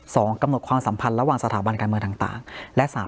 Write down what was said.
กำหนดความสัมพันธ์ระหว่างสถาบันการเมืองต่างและสาม